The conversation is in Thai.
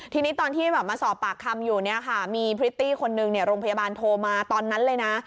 ทีนี้ตอนที่มาสอบปากคำอยู่เนี่ยค่ะมีพริตตี้คนนึงโรงพยาบาลโทรมาตอนนั้นเลยนะ